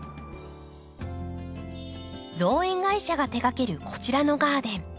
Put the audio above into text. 造園会社が手がけるこちらのガーデン。